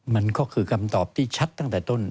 มันก็คือคำตอบที่ชัดตั้งแต่ต้น